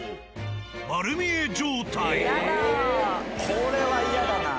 これは嫌だなぁ。